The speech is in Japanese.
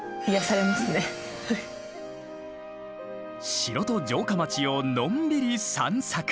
城と城下町をのんびり散策。